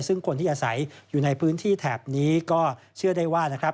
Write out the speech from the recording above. ซึ่งคนที่อาศัยอยู่ในพื้นที่แถบนี้ก็เชื่อได้ว่านะครับ